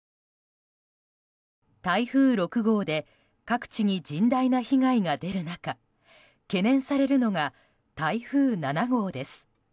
台風６号で各地に甚大な被害が出る中懸念されるのが台風７号です。